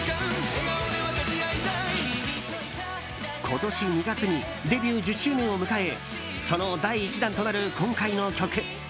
今年２月にデビュー１０周年を迎えその第１弾となる今回の曲。